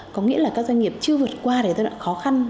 có nghĩa là các doanh nghiệp chưa vượt qua được giai đoạn khó khăn